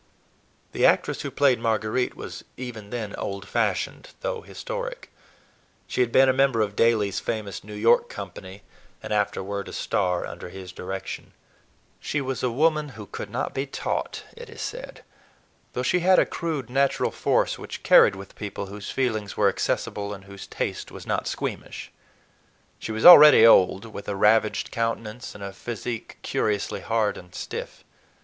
The actress who played Marguerite was even then old fashioned, though historic. She had been a member of Daly's famous New York company, and afterward a "star" under his direction. She was a woman who could not be taught, it is said, though she had a crude natural force which carried with people whose feelings were accessible and whose taste was not squeamish. She was already old, with a ravaged countenance and a physique curiously hard and stiff.